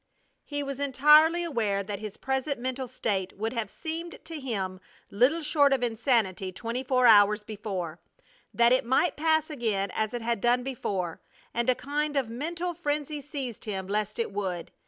He was entirely aware that his present mental state would have seemed to him little short of insanity twenty four hours before; that it might pass again as it had done before; and a kind of mental frenzy seized him lest it would.